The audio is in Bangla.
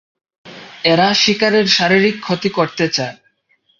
এরা শিকারের শারীরিক ক্ষতি করতে চায়।